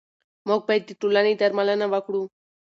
موږ باید د ټولنې درملنه وکړو.